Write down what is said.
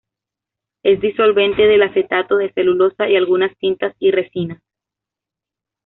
Es disolvente del acetato de celulosa y algunas tintas y resinas.